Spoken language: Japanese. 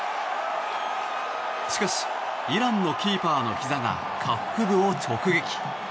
しかしイランのキーパーのひざが下腹部を直撃。